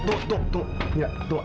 duk duk duk mila duk